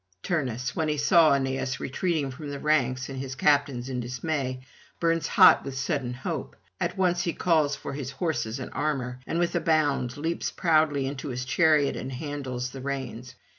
Turnus, when he saw Aeneas retreating from the ranks and his captains in dismay, burns hot with sudden hope. At once he calls for his horses and armour, and with a bound leaps proudly into his chariot and handles the reins.